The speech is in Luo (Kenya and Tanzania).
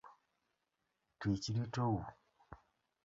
Tich ritou.